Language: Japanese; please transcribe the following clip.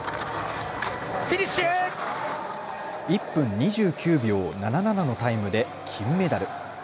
１分２９秒７７のタイムで金メダル。